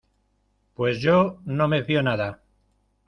Pues yo, no me fío nada.